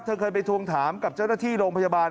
เคยไปทวงถามกับเจ้าหน้าที่โรงพยาบาล